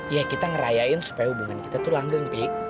ya kita ngerayain supaya hubungan kita tuh langgeng pik